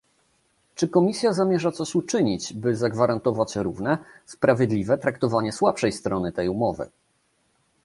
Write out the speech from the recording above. Czy Komisja zamierza coś uczynić, by zagwarantować równe, sprawiedliwe traktowanie słabszej strony tej umowy?